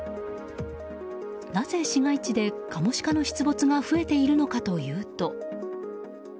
なぜ市街地でカモシカの出没が増えているのかというと。